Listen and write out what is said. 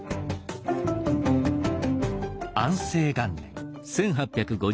安政元年。